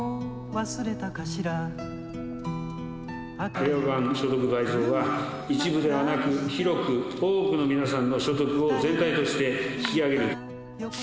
令和版所得倍増は、一部ではなく、広く多くの皆さんの所得を全体として引き上げる。